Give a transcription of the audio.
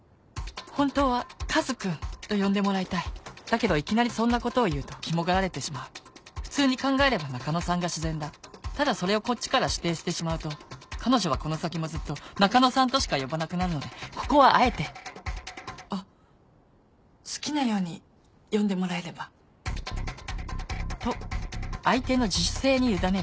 本当は「カズ君」と呼んでもらいたいだけどいきなりそんなことを言うとキモがられてしまう普通に考えれば「中野さん」が自然だただそれをこっちから指定してしまうと彼女はこの先もずっと「中野さん」としか呼ばなくなるのでここはあえてあっ好きなように呼んでもらえれば。と相手の自主性に委ねる